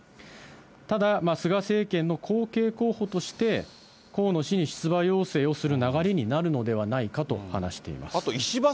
ただ菅政権の後継候補として、河野氏に出馬要請をする流れになるのではないかと話しています。